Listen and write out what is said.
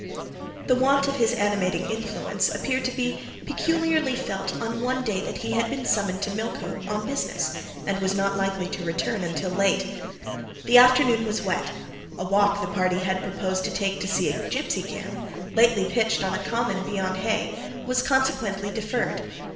The want of his animating influence appeared to be peculiarly felt one day that he had been summoned to Millcote on business, and was not likely to return till late. The afternoon was wet: a walk the party had proposed to take to see a gipsy camp, lately pitched on a common beyond Hay, was consequently deferred.